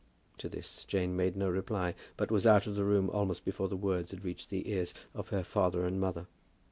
To this Jane made no reply, but was out of the room almost before the words had reached the ears of her father and mother.